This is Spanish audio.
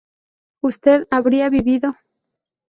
usted habría vivido